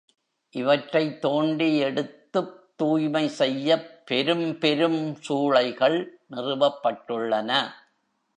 இவற்றைத் தோண்டி எடுத்துத் தூய்மை செய்யப்பெரும் பெரும் சூளைகள் நிறுவப்பட்டுள்ளன.